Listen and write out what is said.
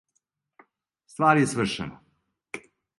Ствар је свршена.